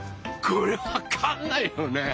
これわかんないよね？